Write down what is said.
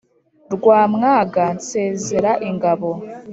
Rwamwaga nsezera ingabo.